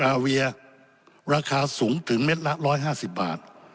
อาเวียราคาสูงถึงเม็ดละ๑๕๐บาท